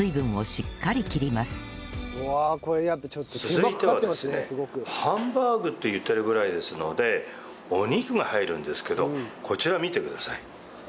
続いてはですねハンバーグと言ってるぐらいですのでお肉が入るんですけどこちら見てください。